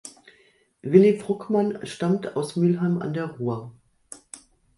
Willi Bruckmann stammt aus Mülheim an der Ruhr.